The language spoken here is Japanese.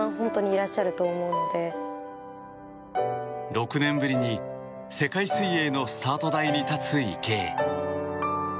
６年ぶりに世界水泳のスタート台に立つ池江。